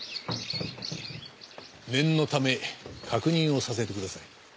念のため確認をさせてください。